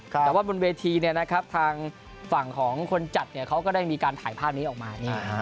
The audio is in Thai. แต่ว่าบนเวทีทางฝั่งของคนจัดเขาก็ได้มีการถ่ายภาพนี้ออกมา